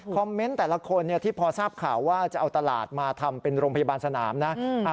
เมนต์แต่ละคนที่พอทราบข่าวว่าจะเอาตลาดมาทำเป็นโรงพยาบาลสนามนะ